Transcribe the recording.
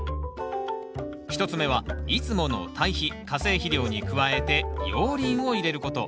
１つ目はいつもの堆肥化成肥料に加えて熔リンを入れること。